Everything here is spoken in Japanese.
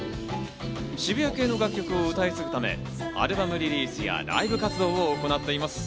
渋谷系の楽曲を歌い継ぐため、アルバムリリースやライブ活動を行っています。